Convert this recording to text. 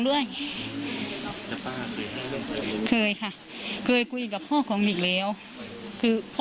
ด้วยชาวบ้านเคยค่ะเคยคุยกับพ่อของอีกแล้วคือพ่อ